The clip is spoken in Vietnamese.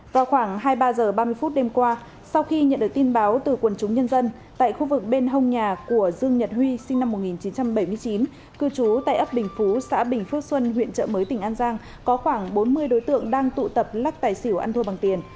vào khoảng hai mươi ba h ba mươi phút đêm qua sau khi nhận được tin báo từ quần chúng nhân dân tại khu vực bên hông nhà của dương nhật huy sinh năm một nghìn chín trăm bảy mươi chín cư trú tại ấp bình phú xã bình phước xuân huyện trợ mới tỉnh an giang có khoảng bốn mươi đối tượng đang tụ tập lắc tài xỉu ăn thua bằng tiền